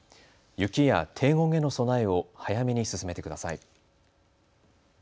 雪や低温への備えを早めに進めてください。